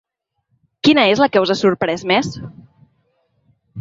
Quina és la que us ha sorprès més?